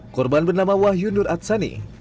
korban bernama wahyu nur atsani